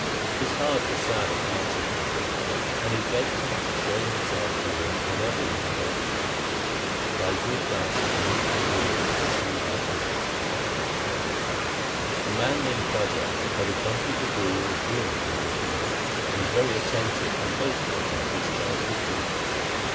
His heart was sad at parting from the Guru, and he begged him to show himself to him whenever he invoked him. Bhai Gur Das remained with the Guru in Sri Har Gobindpur. A man called Khwaja had accompanied the Guru as groom from Kashmir, and was very attentive and faithful in the discharge of his duties.